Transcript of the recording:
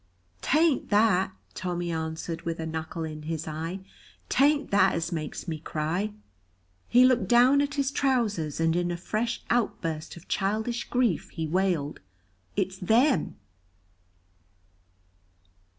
"'T ain't that," Tommy answered with a knuckle in his eye, "'t ain't that as makes me cry." He looked down at his trousers and in a fresh outburst of childish grief he wailed, "It's them!"